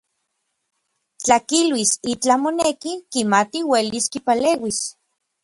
Tla kiluis itlaj moneki, kimati uelis kipaleuis.